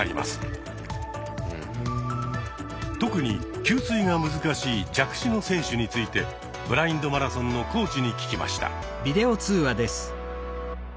特に給水が難しい弱視の選手についてブラインドマラソンのコーチに聞きました。